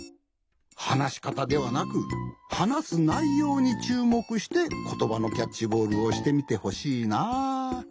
はなしかたではなくはなすないようにちゅうもくしてことばのキャッチボールをしてみてほしいなあ。